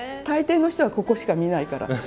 大抵の人はここしか見ないから。